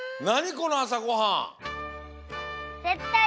このあさごはん。